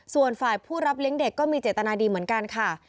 ส่วนฝ่ายผู้รับเลี้ยงเด็กก็มีเจตนาดีเหมือนกันค่ะ